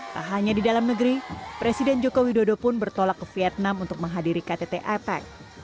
tak hanya di dalam negeri presiden joko widodo pun bertolak ke vietnam untuk menghadiri ktt apec